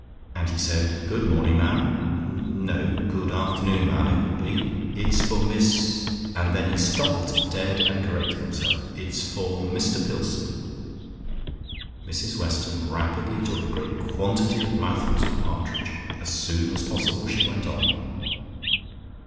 And he said, 'Good morning, ma'am no, good afternoon ma'am, it would be It's for Miss and then he stopped dead and corrected himself, 'It's for Mr Pillson.'" Mrs Weston rapidly took a great quantity of mouthfuls of partridge. As soon as possible she went on.